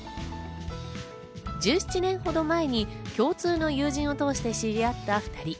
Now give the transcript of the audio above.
１７年ほど前に共通の友人を通して知り合った２人。